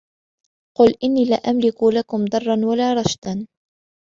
قُلْ إِنِّي لَا أَمْلِكُ لَكُمْ ضَرًّا وَلَا رَشَدًا